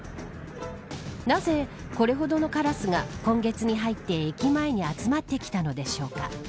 なぜ、これほどのカラスが今月に入って駅前に集まってきたのでしょうか。